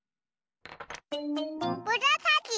むらさき。